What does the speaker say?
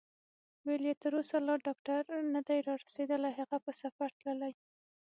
ویل یې: تر اوسه لا ډاکټر نه دی رارسېدلی، هغه په سفر تللی.